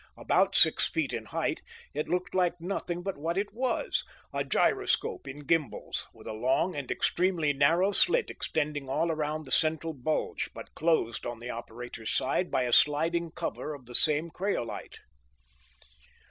About six feet in height, it looked like nothing but what it was, a gyroscope in gimbals, with a long and extremely narrow slit extending all around the central bulge, but closed on the operator's side by a sliding cover of the same craolite.